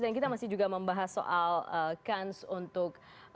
dan kita masih juga membahas soal kans untuk